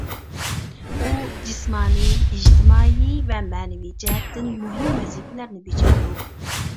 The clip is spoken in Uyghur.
ئۇ، جىسمانىي، ئىجتىمائىي ۋە مەنىۋى جەھەتتىن مۇھىم ۋەزىپىلەرنى بېجىرىدۇ.